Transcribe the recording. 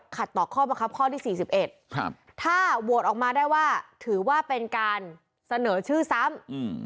ขัดต่อข้อมาครับข้อที่สี่สิบเอ็ดถ้าโหวตออกมาได้ว่าถือว่าเป็นการเสนอชื่อซ้ำ